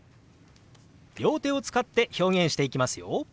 両手を使って表現していきますよ。